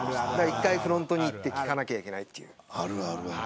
一回、フロントに行って聞かなきゃいけない。